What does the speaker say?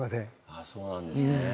あっそうなんですね。